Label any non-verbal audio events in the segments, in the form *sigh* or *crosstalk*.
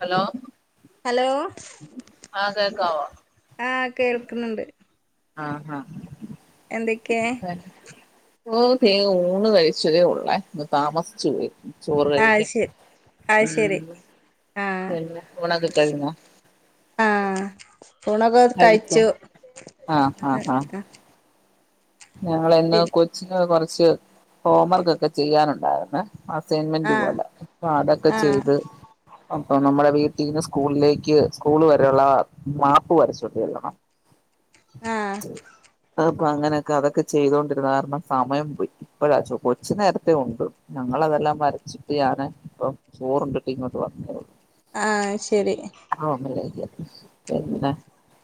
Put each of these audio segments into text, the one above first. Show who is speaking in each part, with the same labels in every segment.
Speaker 1: Hello
Speaker 2: hello.
Speaker 1: ആ കേക്കാവോ
Speaker 2: ആഹ് കേൾക്കുണ് ണ്ട്
Speaker 1: ആഹ
Speaker 2: എന്തൊക്കെ
Speaker 1: ആഹ ഓ തേ ഊണ് കഴിച്ചതേ ഉള്ളേ. ഇന്ന് താമസിച്ചു പോയി. ചോറ്
Speaker 2: ആഹ്
Speaker 1: കഴിക്ക.
Speaker 2: ശരി ആഹ് ശരി
Speaker 1: ഉം
Speaker 2: ആഹ്
Speaker 1: പിന്നെ ഊണൊക്കെ കഴിഞ്ഞോ?
Speaker 2: ആഹ ഊണൊക്കെ കഴിച്ചു
Speaker 1: ആഹ് ഞങ്ങൾ
Speaker 2: പി
Speaker 1: ഇന്ന് കൊച്ചിൻ്റെ കൊറച്ച് ഹോം വർക്ക് ഒക്കെ ചെയ്യാനുണ്ടായിരുന്നേ. അസൈൻമെന്റ്
Speaker 2: ആഹ്
Speaker 1: പോല, അപ്പോ അതൊക്കെ
Speaker 2: ആഹ്
Speaker 1: ചെയ്ത് അപ്പൊ നമ്മുടെ വീട്ടീന്ന് സ്കൂളിലേക്ക് സ്കൂൾ വരെയുള്ള മാപ്പ് വരച്ചോണ്ട് ചെല്ലണം.
Speaker 2: ആഹ്
Speaker 1: അപ്പൊ അങ്ങനെയൊക്കെ, അതൊക്കെ ചെയ്തൊണ്ടിരുന്ന കാരണം. സമയം പോയി. ഇപ്പോഴാകൊച്ചു നേരത്തെ ഉണ്ടു. ഞങ്ങളതെല്ലാം വരച്ചു. യണ് ഇപ്പം ചോറുണ്ടിട്ട് ഇങ്ങോട്ട് വന്നതേയുള്ളൂ.
Speaker 2: ആഹ ശരി
Speaker 1: പിന്നെ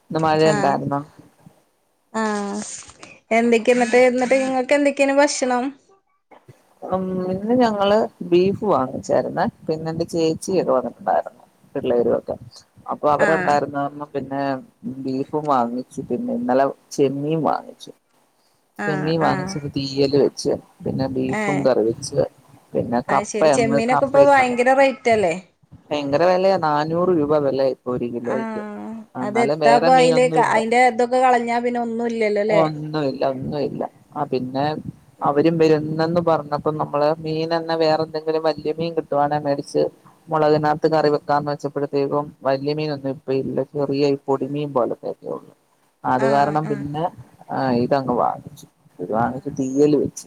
Speaker 1: ഇന്ന് മഴ ഉണ്ടായിരുന്നോ.
Speaker 2: ആഹ എന്തൊക്കെഇന്നട്ട്, എന്നിട്ട് നിങ്ങൾക്ക് എന്തൊക്കെയാണ് ഭക്ഷണം.
Speaker 1: *inaudible* ഉം ഇന്ന് ഞങ്ങള് ബീഫ് വാങ്ങിച്ചായിരുന്നു. പിന്നെ എന്റെ ചേച്ചി ഒക്കെ വന്നിട്ടുണ്ടായിരുന്നു. പിള്ളേരും ഒക്കെ. അപ്പൊ
Speaker 2: ആഹ്
Speaker 1: അവരുണ്ടായിരുന്ന കാരണം. പിന്നെ ബീഫും വാങ്ങിച്ചു, പിന്നെ ഇന്നലെ ചെമ്മീനും വാങ്ങിച്ചു.
Speaker 2: ആഹ്
Speaker 1: ചെമ്മീൻ
Speaker 2: ആഹ്
Speaker 1: വാങ്ങിച്ചു തീയല് വെച്ച്, പിന്നെ ബീഫും
Speaker 2: ഏഹ്
Speaker 1: കറി വെച്ച്. പിന്നെ
Speaker 2: അത്
Speaker 1: കപ്പ
Speaker 2: ശരി
Speaker 1: അങ്ങ്
Speaker 2: ചെമ്മീനൊക്കെ ഇപ്പൊ
Speaker 1: കപ്പട്ടണ്ട്
Speaker 2: ഭയങ്കര റേറ്റ് അല്ലേ
Speaker 1: ഭയങ്കര വിലയ നാന്നൂറ് രൂപ വില ഇപ്പോ ഒരു കിലോക്ക്.
Speaker 2: അതെന്താപ്പ അതില്. അതിന്റെ ഇതൊക്കെ കളഞ്ഞാ പിന്നെ ഒന്നും ഇല്ലല്ലോ ല്ലേ?
Speaker 1: ഒന്നും ഇല്ല. ആ പിന്നെ അവരും വരുന്നുന്ന് പറഞ്ഞപ്പോ, നമ്മള് മീൻ തന്നെ വേറെ എന്തെങ്കിലും വലിയ മീൻ കിട്ടുവാണേ മേടിച്ച്. മോളകിനകത്ത് കറി വെക്കാന്ന് വെച്ചപ്പെഴ്ത്തേക്കും. വലിയ മീനൊന്നും ഇപ്പ ഇല്ല ചെറിയ ഈ പൊടിമീൻ പോലത്തെയ ഒക്കെ ഉള്ളു അത്
Speaker 2: ആഹ്
Speaker 1: കാരണം.
Speaker 2: ആഹ്
Speaker 1: പിന്നെ ആഹ് ഇതങ്ങ് വാങ്ങിച്ചു ഇത് വാങ്ങിച്ചു
Speaker 2: ആഹ്
Speaker 1: തീയ്യല് വെച്ചു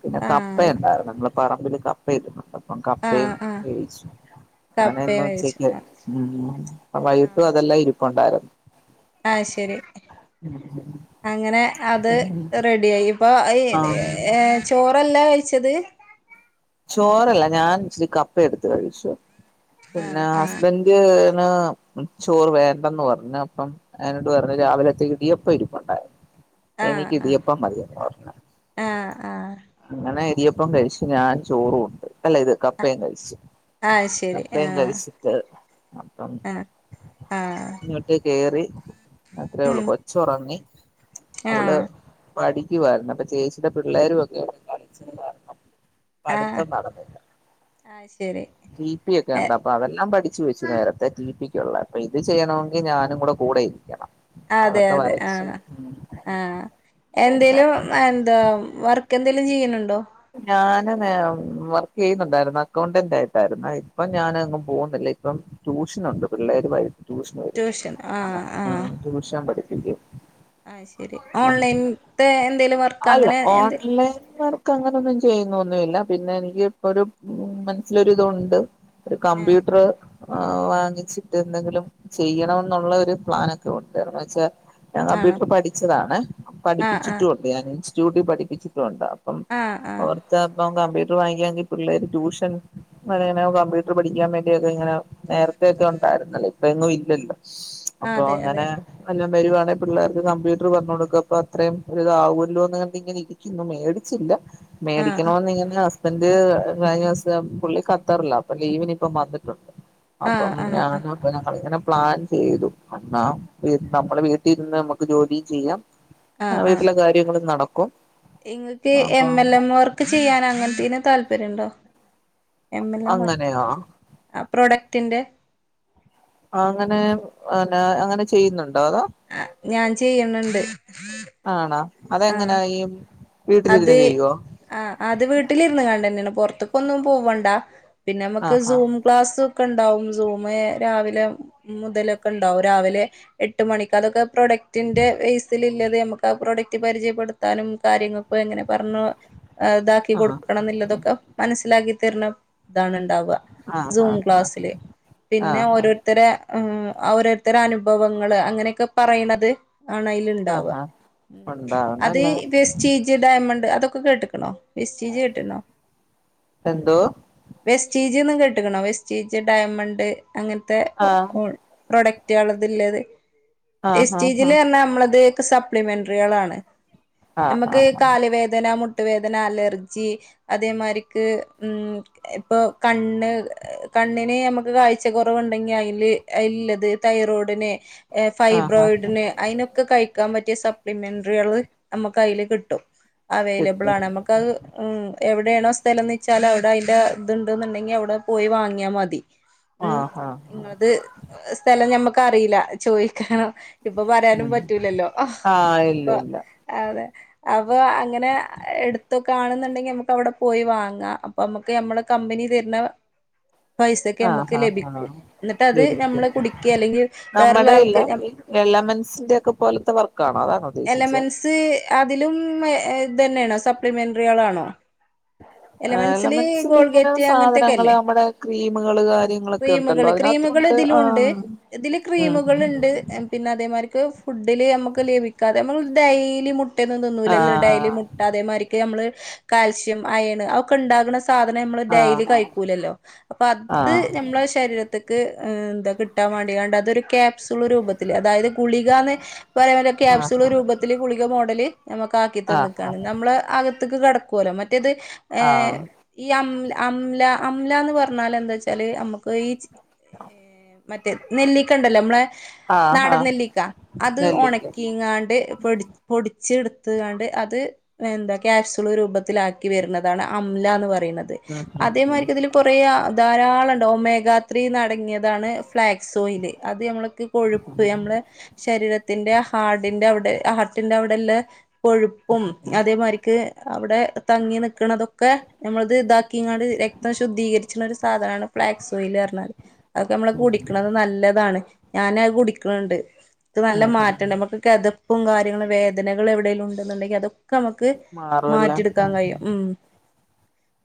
Speaker 1: പിന്നെ
Speaker 2: ആഹ്
Speaker 1: കപ്പണ്ടായിരുന്നു. മ്മളെ പറമ്പില് കപ്പ ഇരുന്നു അപ്പം കപ്പയും
Speaker 2: ആഹ് ആഹ്
Speaker 1: വേവിച്ചു. അങ്ങനെ ന്ന്
Speaker 2: കപ്പയും വേവിച്ചു
Speaker 1: ഉച്ചേക്ക്. ഉംമ് അപ്പ വൈകിട്ടും അതെല്ലാം ഇരിപ്പ്ണ്ടായിരുന്നു.
Speaker 2: ഐ ശരി അങ്ങനെ. അത് റെഡി ആയി. ഇപ്പൊ
Speaker 1: ആഹ്
Speaker 2: ഏയ് ചോറല്ല കഴിച്ചത്.
Speaker 1: ചോറല്ല ഞാൻ ഇച്ച് രി കപ്പ എടുത്ത് കഴിച്ചു.
Speaker 2: ആഹ്
Speaker 1: പിന്നെ
Speaker 2: ആഹ്
Speaker 1: ഹ്സ് ബന്റ് നു ചോറ് വേണ്ടന്ന് പറഞ്ഞു. അപ്പം അയ്നോട് പറഞ്ഞു രാവിലെത്തെ ഇടിയപ്പം ഇരിപ്പുണ്ടായിരുന്നു.
Speaker 2: ആഹ്
Speaker 1: എനിക്ക്
Speaker 2: ആഹ്
Speaker 1: ഇടിയപ്പം മതിയെന്ന് പറഞ്ഞു.
Speaker 2: ആഹ് ആഹ്
Speaker 1: അങ്ങനെ ഇടിയപ്പം കഴിച്ചു. ഞാൻ ചോറും ഉണ്ട്. അല്ല ഇത്
Speaker 2: ആഹ്
Speaker 1: കപ്പയും കഴിച്ചു.
Speaker 2: ആഹ് ശരി
Speaker 1: കപ്പയും
Speaker 2: ആഹ്
Speaker 1: കഴിച്ച്. അപ്പം
Speaker 2: ആഹ് ആഹ്
Speaker 1: ന്നിട്ട് കേറി അത്രേ ള്ളൂ
Speaker 2: ഉം
Speaker 1: കൊ ചോറങ്ങി അവള്
Speaker 2: ആഹ്
Speaker 1: പഠിക്കുവായിരുന്നു അപ്പൊ ചേച്ചിടെ പിള്ളേരും ഒക്കെ കളിച്ചിരുന്നു പഠിത്തം നടന്നില്ല.
Speaker 2: അഹ് ശരി
Speaker 1: ടി പി ഒക്കെ ണ്ട്
Speaker 2: എഹ്
Speaker 1: അപ്പൊ അതെല്ലാം പഠിച്ചു വെച്ചു. നേരത്തെ ടി പിക്ക്ള്ള. ഇത് ചെയ്യണമെങ്കിൽ ഞാനും കൂടെ കൂടെ ഇരിക്കണം.
Speaker 2: അതെ
Speaker 1: അതൊക്കെ
Speaker 2: അതെ
Speaker 1: വരച്ചു
Speaker 2: ആഹ് ആഹ്
Speaker 1: പിന്നെ
Speaker 2: എന്തേലും. എന്താ വർക്ക് എന്തെലും ചെയ്ണ് ണ്ടോ?
Speaker 1: ഞാന് നെ വർക്ക് ചെയ്യുന്നുണ്ടായിരുന്നു. അക്കൗണ്ടന്റ് ആയിട്ടായിരുന്നു. ഇപ്പം ഞാന് ങ്ങും പോകുന്നില്ല. ഇപ്പം ട്യൂഷനുണ്ട് പിള്ളേര് വെരും ട്യൂഷന് വരും
Speaker 2: ട്യൂഷൻ ആഹ്
Speaker 1: അങ്ങനെ
Speaker 2: ആഹ്
Speaker 1: ട്യൂഷൻ പഠിപ്പികും.
Speaker 2: ആഹ് ശരി ഓൺലൈൻത്തെ എന്തേലും വർക്ക്
Speaker 1: അല്ല
Speaker 2: അങ്ങനെ എന്ത്
Speaker 1: ഓൺലൈൻ ക്കങ്ങനെയൊന്നും ചെയ്യുന്നൊന്നുമില്ല പിന്നെ എനിക്ക് ഒരു മനസ്സിലൊരി തുണ്ട്. ഒരു
Speaker 2: ആഹ്
Speaker 1: കമ്പ്യൂട്ടർ. ആഹ് വാങ്ങിച്ചിട്ട് ന്തെങ്കിലും ചെയ്യണം. ന്നുള്ള ഒരു പ്ലാനൊക്കെ ഉണ്ട്. വെച്ചാ ഞാൻ
Speaker 2: ആണോ
Speaker 1: കമ്പ്യൂട്ടർ പഠിച്ചതാണ്.
Speaker 2: ആഹ് ആഹ്
Speaker 1: പഠിപ്പിച്ചിട്ടുണ്ട് ഞാൻ ഇൻസ്റ്റിറ്റ്യൂട്ടിൽ പഠിപ്പിച്ചിട്ടുണ്ട്. അപ്പം
Speaker 2: ആഹ് ആഹ്
Speaker 1: ഓർത്തപ്പം കമ്പ്യൂട്ടർ വാങ്ങിക്കാണെങ്കിൽ പിള്ളേര് ട്യൂഷൻ ഇവടെ ഇങ്ങനെ കമ്പൂട്ട്റ് പഠിക്കാൻ വേണ്ടിയൊക്കെ ഇങ്ങനെ നേരെത്തെയൊക്കെ ഉണ്ടായിരുന്നല്ലെ ഇപ്പെ എങ്ങും ഇല്ലല്ലോ
Speaker 2: ആഹ്
Speaker 1: അപ്പൊ
Speaker 2: അതെ അതെ
Speaker 1: അങ്ങനെ അല്ലാം വെരുവാണേൽ പിള്ളേർക്ക് കമ്പ്യൂട്ട്റ് പർണ് കൊടുക്കാം അപ്പ അത്രേം ഒര് ഇതാവാെല്ലോന്ന് പർണ് ഇങ്ങനെ ഇരിക്കുന്നു മേടിച്ചില്ല
Speaker 2: ആഹ്
Speaker 1: മേടിക്കണോന്ന് ഇങ്ങനെ ഒരഅസ് അപ്പന്റെ കഴിഞ്ഞൂസം പുള്ളി കത്തർലാ അപ്പൊ ലീവിന് ഇപ്പം വന്നിട്ടുണ്ട്
Speaker 2: ആഹ്
Speaker 1: അപ്പം
Speaker 2: ആഹ് ആഹ്
Speaker 1: ഞാനൊന്ന് അപ്പ ഞങ്ങള് ഇങ്ങനെ പ്ലാൻ ചീതു എന്നാ നമ്മള് വീട്ടി ഇര്ന്ന് നമക്ക് ജോലീം ചിയ്യാം ആഹ് വീട്ടിലെ കാര്യങ്ങളും നടക്കും
Speaker 2: ഇങ്ങക്ക്
Speaker 1: അപ്പൊ
Speaker 2: എം എൽ എം വർക്ക് ചിയ്യാൻ അങ്ങൻത്തീന് താല്പര്യം ഇണ്ടോ എം എൽ എം വർക്ക്
Speaker 1: അങ്ങനെയാ
Speaker 2: ആ പ്രൊഡക്ടിന്റെ
Speaker 1: അങ്ങനെ പിന്നെ അങ്ങനെ ചെയ്യുന്നുണ്ടോ അതാേ
Speaker 2: ആഹ് ഞാൻ ചെയ്യ്ന്ന്ണ്ട്
Speaker 1: ആണാേ അതെങ്ങനെ ഈം
Speaker 2: അത് ആഹ് അത് വീട്ടില് ഇര്ന്ന്ങ്ങാണ്ടെന്നേണ് പൊറത്ത്ക്ക് ഒന്നും പാെവ്വണ്ടാ പിന്നെ മുക്ക്
Speaker 1: ആഹാ
Speaker 2: സൂം ക്ലാസ് ഒക്കെ ഉണ്ടാവും സൂമ രാവിലെ മുതലൊക്കെ ഉണ്ടാവും രാവിലെ എട്ട് മണിക്ക് അതൊക്കെ പ്രൊഡക്ടിന്റെ ബേസിലില്ലത് ഞമ്മക്ക് ആ പ്രോഡക്റ്റ് പരിചയപ്പെട്ത്താനും കാര്യങ്ങള് അപ്പൊ എങ്ങനെ പർണുഇതാക്കി
Speaker 1: ആഹ്
Speaker 2: കൊട്ക്കണം ഇന്നില്ലതൊക്കെ മനസ്സിലാക്കി തെര്ണ ഇതാണ് ഇണ്ടാവുക
Speaker 1: ആഹ്
Speaker 2: സൂം
Speaker 1: ആഹ്
Speaker 2: ക്ലാസ്സില് പിന്നെ
Speaker 1: ആഹ് ആഹ്
Speaker 2: ഓരോര് തെരെ ഉം അ ഓരോര്ത്തരെ അനുഭവങ്ങള് അങ്ങനെയെക്കെ പറയ്ണത് ആണയിൽ ഇതില്
Speaker 1: ആഹ്
Speaker 2: ഇണ്ടാവാ
Speaker 1: ആഹ്
Speaker 2: അത്
Speaker 1: ഉണ്ടാവുന്നല്ല
Speaker 2: ഈ പേസ്റ്റ് ഇജ് ഡയമണ്ട് അതൊക്കെ കേട്ട്ക്ക്ണോ വെസ്റ്റിജി കേട്ട്ണോ
Speaker 1: എന്തോ
Speaker 2: വെസ്റ്റീജ്ന്ന് കേട്ട്ക്ക്ണോ വെസ്റ്റീജ് ഡയമണ്ട് അങ്ങൻത്തെ ഒ
Speaker 1: ആഹ്
Speaker 2: ഓൾ പ്രൊഡക്റ്റ്കളാ ഇതില് ഇല്ലത്
Speaker 1: ആഹ്
Speaker 2: എസ് ടി
Speaker 1: ആഹ്
Speaker 2: ജി ല് അർണാ ഞമ്മളത് ഒക്കെ സപ്ലിമെൻറികളാണ്
Speaker 1: ആഹ് ആഹ്
Speaker 2: ഞമ്മക്ക്
Speaker 1: ആഹ്
Speaker 2: കാല് വേദന മുട്ട് വേദന അലർജി അതേമാരിക്ക് ഉം ഇപ്പൊ കണ്ണ് കണ്ണിന് ഞമ്മക്ക് കാഴ്ച കൊറവ് ഇണ്ടെങ്ങി ഐല് ഇല്ലത് തൈറോഡിന് ഏഹ്
Speaker 1: ആഹ് ആഹ്
Speaker 2: ഫൈബ്രോയിഡ്ന് ഐനൊക്കെ കയിക്കാം പറ്റിയ സപ്ലിമെൻറികള് അമ്മക്ക് ഐല് കിട്ടും
Speaker 1: കിട്ടും
Speaker 2: അവേലെബ്ളാണ് അമ്മക്കത് ഉം എവിടെയേണോ സ്ഥലംന്ന് വെച്ചാല് അവടെ ഐന്റെ ഇത്ണ്ട്ന്ന് ഇണ്ടെങ്ങെ അവ്ടെ പോയി വാങ്ങിയാ മതി ഉം
Speaker 1: ആഹ് ആഹ്
Speaker 2: ഇങ്ങളത് സ്ഥലം ഞമ്മക്ക് അറീല ചോയിക്കണോ ഇപ്പൊ പറയാനും
Speaker 1: ഉം
Speaker 2: പറ്റൂലല്ലോ അഹ്
Speaker 1: ആഹ് ഇല്ല
Speaker 2: ഇപ്പൊ
Speaker 1: ഇല്ല
Speaker 2: അതെ ഇപ്പൊ അങ്ങെനെ എട് ത്തൊക്കാണ്ന്ന് ഇണ്ടെങ്ങെ ഞമ്മക്ക് അവ്ടെ പോയി വാങ്ങാ അപ്പൊ അമ്മക്ക് ഞമ്മളെ കമ്പനി തെര്ളാ പൈസെക്കെ
Speaker 1: ആഹ്
Speaker 2: ഞമ്മക്ക്
Speaker 1: ആഹ്
Speaker 2: ലഭിക്കും
Speaker 1: ആഹ്
Speaker 2: ഇന്ന്ട്ട് അത്
Speaker 1: ലഭിക്കും
Speaker 2: നമ്മള് കുടിക്കേ അല്ലെങ്കിൽ വേറൊലാൾക്ക് ഞം
Speaker 1: എല്ലാമെൻസിന്റെ ഒക്കെ പോലത്തെ വർക്കാണോ അതാണോ ഉദ്ദേശിച്ചേ
Speaker 2: സ് അതിലും മേ ഇത് എന്നെണോ സപ്ലിമെൻറികളാണോ
Speaker 1: ദഹനം ഏലമെൻസില് ഇങ്ങനെ
Speaker 2: അങ്ങനത്തെക്കെ
Speaker 1: സാധനങ്ങള്
Speaker 2: അല്ലേ
Speaker 1: അമ്മടെ ക്രീമ്കള് കാര്യങ്ങളെക്കെ ഉണ്ടല്ലോ
Speaker 2: ക്രീമുകള്
Speaker 1: അതിനകത്ത് ഇപ്പം
Speaker 2: ക്രീമുകള്
Speaker 1: ഉണ്ട്
Speaker 2: ഇതിലുണ്ട്
Speaker 1: ആഹ്
Speaker 2: ഇതില്
Speaker 1: ഉം ഉം ഉം
Speaker 2: ക്രീമുകള്ണ്ട്
Speaker 1: ഉം
Speaker 2: പിന്നെ അതേമാരിക്ക് ഫുഡില് ഞമ്മക്ക് ലഭിക്കാതെ നമ്മള് ഡെെലി മുട്ടെന്നും തിന്നൂല്ലല്ലോ ഡെയിലി
Speaker 1: ആഹ്
Speaker 2: അതേമാതിക്ക് നമ്മള് കാൽഷ്യം അയണ് ഒക്കെ ഉണ്ടാക്ണ സാധനം ഞമ്മള് ഡെെലി
Speaker 1: ആഹ്
Speaker 2: കയിക്കൂലല്ലോ അപ്പഅത്
Speaker 1: ആഹ്
Speaker 2: ഞമ്മളെ ശരീരത്തി ത്ത്ക്ക് എന്താ കിട്ടാം വാണ്ടിങ്ങാണ്ട് അതൊരു് കെ പ്‌സൂൾ രൂപത്തിൽ അതായത് ഗുളിക എന്ന് പറയാൻല ക്യാപ്സൂൾ
Speaker 1: ആഹ്
Speaker 2: രൂപത്തില് ഗുളിക മോഡല് നമ്മക്ക് ആക്കി
Speaker 1: ആഹ്
Speaker 2: തന്നക്കാണ്
Speaker 1: ആഹ്
Speaker 2: നമ്മള് അകത്തക്ക് കടക്കുവലോ മറ്റേത് ഏഹ്
Speaker 1: ആഹ്
Speaker 2: ഈ അംല അംല അംലന്ന് പറഞ്ഞാൽ എന്താ വെച്ചാല് നമ്മുക്ക് ഈ മറ്റേ നെല്ലിക്ക ഉണ്ടല്ലോ നമ്മളെ
Speaker 1: ആഹ്
Speaker 2: നാടൻ
Speaker 1: ആഹ്
Speaker 2: നെല്ലിക്ക അത്
Speaker 1: നെല്ലിക്ക
Speaker 2: ഉണക്കി ഇങ്ങാണ്ട് പൊടി പൊടിച്ച് എടുത്താണ്ട് അത് എന്താ ക്യാപ്സൂൾ രൂപത്തിലാക്കി വരുന്നതാണ് അംല എന്ന് പറയുന്നത്
Speaker 1: ഉം ഉം
Speaker 2: അതേമാതിക്ക് ഇതില് കൊറേ ധാരാളം ണ്ട് ഒമേഗാത്രി നടങ്ങിയത് അതാണ് ഫ്ലാക്സ് ഓയില് അത് നമ്മളക്ക് കൊഴുപ്പ് നമ്മള് ശരീരത്തിന്റെ ഹാർഡിന്റെ അവിടെ ഹാർട്ടിന്റെ അവിടെല്ല കൊഴുപ്പും അതേമാതിരിക്ക് അവിടെ തങ്ങി നിക്കണതൊക്കെ നമ്മളത് ഇതാ ക്കിങ്ങട് രക്തം ശുദ്ധീകരിച്ചണ ഒരു സാധനാണ് ഫ്ളാക്സ് ഓയില് പറഞ്ഞാത് അതൊക്കെ നമ്മള്
Speaker 1: ഉം
Speaker 2: കുടിക്കണത് നല്ലതാണ് ഞാനത് കുടിക്കണണ്ട് ഇത് നല്ല
Speaker 1: ഉം ഉം
Speaker 2: മാറ്റുണ്ട് നമുക്ക് കെതപ്പും കാര്യങ്ങളും വേദ നകൾ എവിടെലും ഉണ്ടെന്നുണ്ടെങ്കിൽ അതൊക്കെ നമുക്ക്
Speaker 1: മാറുവെല്ലാം
Speaker 2: മാറ്റിയെടുക്കാൻ കഴിയും ഉം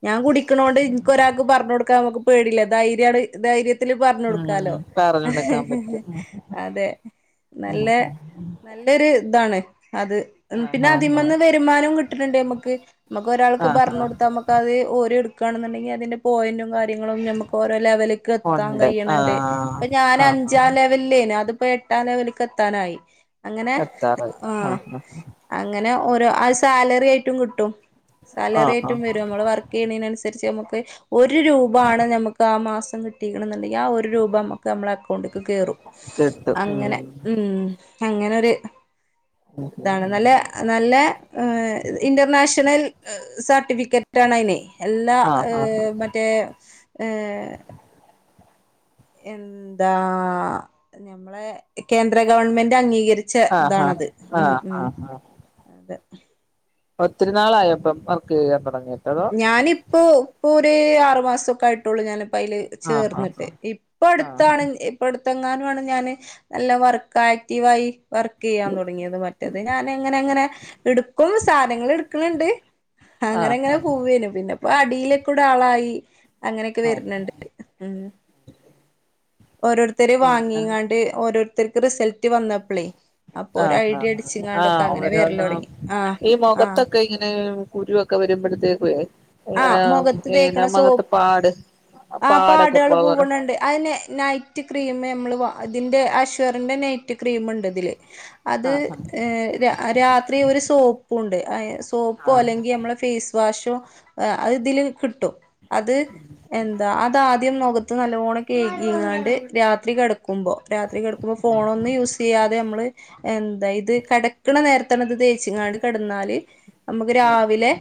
Speaker 2: ഞാൻ കുടിക്കണോണ്ട് എനിക്ക് ഒരാൾക്ക് പറഞ്ഞു കൊടുക്കാൻ നമുക്ക് പേടില്ല ദൈയിര്യാണ് ധൈര്യത്തില് പറഞ്ഞ് കൊടുക്കാലോ
Speaker 1: ഉം പറഞ്ഞെടുക്കാൻ പറ്റും
Speaker 2: അതെ നല്ല
Speaker 1: *inaudible*
Speaker 2: നല്ലൊരു ഇതാണ് അത് ഉം പിന്നെ
Speaker 1: ആഹ്
Speaker 2: അതിമന്ന് വരുമാനം കിട്ടുന്നുണ്ട് നമ്മക്ക് നമുക്ക്
Speaker 1: ആഹ്
Speaker 2: ഒരാൾക്ക്
Speaker 1: ആഹ്
Speaker 2: പറഞ്ഞ്
Speaker 1: ആഹ് ആഹ്
Speaker 2: കൊടുത്താ അത്ഓരോ എടുക്കയാണെന്നുണ്ടെങ്കിൽ അതിന്റെ പോയിന്റും കാര്യ ങ്ങളും നമുക്ക് ഓരോ ലവലിക്ക് എത്താൻ
Speaker 1: ഉണ്ട്
Speaker 2: കയ്യ്ണ് ണ്ട്
Speaker 1: ആഹ്
Speaker 2: ഇപ്പ ഞാന്
Speaker 1: ആഹ്
Speaker 2: അഞ്ചാം ലെ വല്ലേന് അതിപ്പോ എട്ടാം ലെവല്ക്ക് എത്താനായി അങ്ങനെ
Speaker 1: എത്താറായി ആഹ് ആഹ്
Speaker 2: അങ്ങനെ ഓരോ അത് സാലറി ആയിട്ടും കിട്ടും സാലറി
Speaker 1: ആഹ്
Speaker 2: ആയിട്ടും
Speaker 1: ആഹ്
Speaker 2: വരും നമ്മള് വർക്ക് വർക്ക് ചെയ്യുണതിനനുസരിച്ച് നമുക്ക് ഒരു രൂപ ആണ് നമുക്ക് ആ മാസം കിട്ടിയിരിക്കണം ന്നുണ്ടെങ്കിൽ ആ ഒരു രൂപ നമുക്ക് നമ്മളെ അക്കൗ കൗണ്ടിക്ക് കേറും
Speaker 1: കിട്ടും ഉം
Speaker 2: അങ്ങനെ മ് അങ്ങനൊര് ഇതാണ് നല്ല നല്ല എ ഇന്റർനാഷണൽ സർട്ടിഫിക്കറ്റാണയിനെയ് എല്ലാ ഏ
Speaker 1: ആഹ് ആഹ്
Speaker 2: മറ്റേ ഏ എന്താ ഞമ്മളെ കേന്ദ്ര ഗവൺമെന്റ അംഗീകരി ച്ച ഇ
Speaker 1: ആഹ് ആഹ്
Speaker 2: താണത് ഉം
Speaker 1: ആഹ്
Speaker 2: ഉം
Speaker 1: ആഹ് ആഹ്
Speaker 2: അതെ
Speaker 1: ഒത്തിരി നാളായപ്പം വർക്ക് ചെയ്യാൻ തൊടങ്ങീട്ട്
Speaker 2: ഞാനിപ്പോ പ്പോര് ആറ് മാസൊക്കായിട്ടൊള്ളൂ ഞാനിപ്പയില്
Speaker 1: ആഹ്
Speaker 2: ചേർന്നിട്ട്
Speaker 1: ആഹ്
Speaker 2: ഇപ്പട്ത്താണ്
Speaker 1: ആഹ്
Speaker 2: ഇപ്പട്ത്തെങ്ങാനു ആണ് ഞാന് നല്ല വർക്കാക്റ്റീവായി വർക്കിയ്യാൻ തൊടങ്ങിയത് മറ്റത് ഞാനങ്ങനെ ങ്ങനെ ഇടുക്കും സാനങ്ങൾ ഇട്ക്ക്ണ്ണ്ട് അങ്ങനെ
Speaker 1: ആഹ്
Speaker 2: ങ്ങനെ
Speaker 1: ആഹ്
Speaker 2: പിന്നെ പ്പൊ അടിയിലൊക്കൂടാളായി അങ്ങനക്കെ
Speaker 1: ആഹ്
Speaker 2: വര്ന്ണ്ട് ഉം ഓരോരുത്തര്
Speaker 1: പിന്നെ
Speaker 2: വാങ്ങിങ്ങാണ്ട് ഓരോര് ത്തർക്ക് റിസൾട്ടറ്റ് വന്നപ്പളേ അപ്പൊ ഒരു
Speaker 1: ആഹ്
Speaker 2: ഐഡിയ
Speaker 1: ആഹ് അഹ്
Speaker 2: അടിച്ചിങ്ങാണ്ടൊക്കെ
Speaker 1: ആഹ്
Speaker 2: അങ്ങനെ വരല്
Speaker 1: ഓരോന്നും
Speaker 2: തുടങ്ങി ആഹ്
Speaker 1: ഈ
Speaker 2: ആഹ്
Speaker 1: മൊഖത്തൊക്കെ ഇങ്ങനെ കുരുവൊക്കെ വരുമ്പഴത്തേക്കുവെയ്
Speaker 2: ആഹ് മുഖത്ത്
Speaker 1: ഇങ്ങനെ
Speaker 2: തേക്കണ സോപ്പ്
Speaker 1: മുഖത്തെ പാട്
Speaker 2: ആ
Speaker 1: പാടൊക്കെ
Speaker 2: പാട്യേള്
Speaker 1: പോകാറ്
Speaker 2: പൂകണണ്ട് അതെന്ന ന റ്റ് ക്രീമമ്മള് വാ തിന്റെ അശ്വറിന്റ നൈറ്റ് ക്രീമ്ണ്ട് തില് അത്
Speaker 1: ആഹ്
Speaker 2: ഏ ര രാത്രി ഒരു സോപ്പൂണ്ട്. അയ് സോപ്പോ
Speaker 1: ആഹ്
Speaker 2: അല്ലെങ്കി മ്മളെ ഫേസ് വാഷോ അത് തില് കിട്ടും അത് എന്താ അതാ ദ്യം മൊഖത്ത് നല്ലോണം കേകിങ്ങാണ്ട് രാത്രി കെട ക്കുമ്പോ രാത്രി കെട്ക്കുമ്പോ ഫോണൊന്നു യൂസിയ്യാതെ യമ്മള് എന്താ ഇത് കടക്ക്ണ നേരത്തന്നെത് തേച്ചിങ്ങാണ്ട് കടന്നാല് അമ്മക്ക് രാവിലെ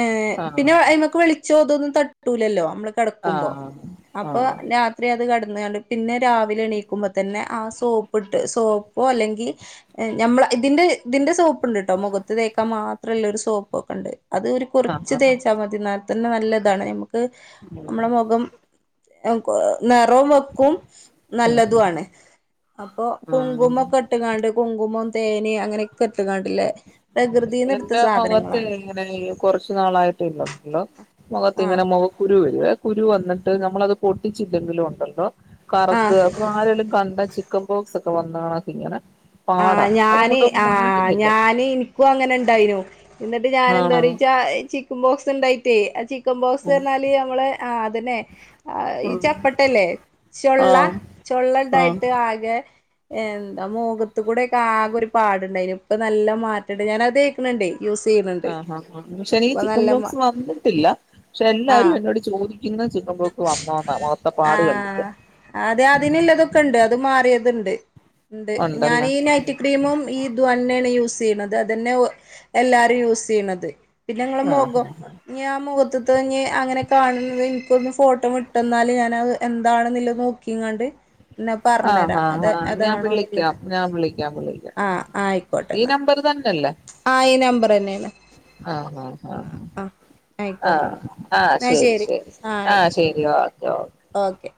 Speaker 2: ഏഹ് പിന്നെ
Speaker 1: ആഹ്
Speaker 2: അയ്മക്ക് വെളിച്ചോദൊന്നും തട്ടൂലല്ലോ അമ്ള് കെടക്കുമ്പോ
Speaker 1: ആഹ് ആഹ്
Speaker 2: അപ്പൊ
Speaker 1: ആഹ്
Speaker 2: ലാ ന്നേ അത് കട്ന്ന് ആണ്ട് പിന്നെ രാവിലെണീക്കുമ്പോതന്നെ ആഹ് സോപ്പ്ട്ട് സോപ്പോ അല്ലങ്കി എഹ് ഞമ്മള ഇതിന്റെ തിന്റെ സോപ്പ്ണ്ട്ട്ടോ മൊഖത്ത് തേക്കാമാത്രല്ല ഒരു സോപ്പൊക്കണ്ട് അത് ഒരു കൊറച്ച്
Speaker 1: ആഹ്
Speaker 2: തേച്ചാ മതി ന്നാൽതന്നെ നല്ലതാണ് ഞമ്മക്ക് അമ്മളമൊഖം ഔ കൊ നെറോംവെക്കും
Speaker 1: ആഹ് ആഹ്
Speaker 2: നല്ലതുവാണ് അപ്പൊ
Speaker 1: ആഹ്
Speaker 2: കുങ്കുമൊക്കെട്ട്ങ്ങാണ്ട് കുങ്കുമം തേന് അങ്ങനെക്കെട്ട് ങ്ങാൺണ്ടില്ലേ പ്രകൃതീന്ന്ട്ത്ത സാധനങ്ങളാണ്
Speaker 1: ഇങ്ങനെല്ലോ കൊറച്ചു നാളായിട്ടിള്ളള്ളോ
Speaker 2: ആഹ്
Speaker 1: മൊഖത്തിങ്ങനെ മൊഖോ കുരുവരുവെ കുരു വന്നിട്ട് നമ്മളത് പൊട്ടിച്ചില്ലെങ്കിലു ഒണ്ടല്ലോ കറ്ത്ത്
Speaker 2: ആഹ്
Speaker 1: അപ്പൊ ആരെലും കണ്ട ചിക്കൻ ബോക്സൊക്കെ വന്നാണക്കിങ്ങനെ
Speaker 2: ആഹ് ഞാന് ആഹ് ഞാന് ഇനി ക്കു അങ്ങനെണ്ടായിരുനു ഇന്നിട്ട് ഞാനെന്താ
Speaker 1: ആണോ
Speaker 2: റീച്ചാ ചിക്കം ബോക്സ്ണ്ടായിറ്റേ ആചി ക്കം
Speaker 1: ഉം
Speaker 2: ബോക്സ്ർഞ്ഞാല് നമ്മളെ ആഹ് അതന്നെ അഹ് ഈ
Speaker 1: ഉം
Speaker 2: ചപ്പട്ടല്ലേ ചൊള്ള
Speaker 1: ആഹ് ആഹ്
Speaker 2: ചൊള്ളണ്ടായിട്ട് ആകെ എന്താ മൂഖത്ത്കൂടെ ക്കാകൊര് പാട്ണ്ടായിനു ഇപ്പ നല്ല മാറ്റണ്ട് ഞാനത് തേക്ക്ണ് ണ്ടേയ് യൂസീന്ന്
Speaker 1: ആഹ് ആഹ് ആഹ് ശനീ ചിക്കൻ ബോക്സ് വന്ന്ട്ടില്ല ക്ഷെ എല്ലാരും
Speaker 2: ആഹ്
Speaker 1: എന്നോട് ചോദിക്ക്യുന്ന ചിക്കൻബോക്സ് മാത്രാന്നാ മോഖത്തെപ്പാട് കണ്ടിട്ട്
Speaker 2: ആഹ് അതെ അതിനില്ലതൊക്കണ്ട് അത് മാറിയത്ണ്ട് ണ്ട് ഞാനീ
Speaker 1: ഉണ്ടല്ലേ
Speaker 2: നൈറ്റ് ക്രീമും ഈത്വന്നേണ് യൂസീയ്യ്ണത് അതന്നെ ഒഹ് എല്ലാരും യൂസീയ്ണത് പിന്നെങ്ങളമൊഖോ
Speaker 1: ആഹ്
Speaker 2: ഞ്യാ മൊത്ത്ത്തത്ഞ്ഞി അങ്ങനെ കാണുന്നത് ഇൻക്കൊന്ന് ഫോട്ടം വിട്ടന്നാല് ഞാനത് എന്താണ്ന്ന്ല്ല ഹൂ ക്കിങ്ങാണ്ട്
Speaker 1: ആഹ് ഹാ ഹാ ഞാം വിളിയ്ക്ക്യാം
Speaker 2: അതാണോന്നുള്ളത്
Speaker 1: ഞാം വിളിയ്ക്കാം വിളി
Speaker 2: ആഹ് ആയിക്കോട്ടെന്നാ ആഹ് ഈ നമ്പറെന്നേണ്
Speaker 1: ആഹ് ഹാ ആഹ് ആഹ്
Speaker 2: ആയിക്കോട്ടെന്നാ
Speaker 1: ആഹ്
Speaker 2: എന്നാ എന്നാ
Speaker 1: ശരി ശരി ആഹ് ശരി ഓക്കെ ഓഹ്
Speaker 2: ഓക്കെ